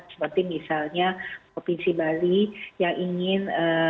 seperti misalnya provinsi bali yang ingin